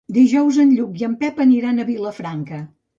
Dijous en Lluc i en Pep aniran a Vilafranca.